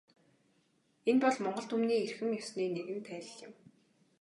Энэ бол монгол түмний эрхэм ёсны нэгэн тайлал юм.